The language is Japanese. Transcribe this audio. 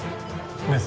メス。